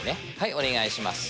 お願いします。